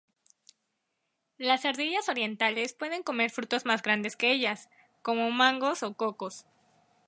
Las ardillas orientales pueden comer frutos más grandes que ellas, como mangos o cocos.